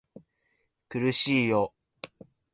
苦しいよ